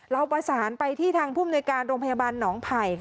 เราประสานไปที่ทางภูมิในการโรงพยาบาลหนองไผ่